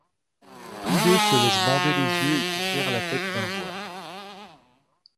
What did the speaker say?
Tous deux se laissent bander les yeux et couvrir la tête d’un voile.